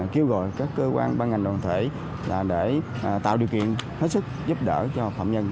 kêu gọi các cơ quan ban ngành đoàn thể là để tạo điều kiện hết sức giúp đỡ cho phạm nhân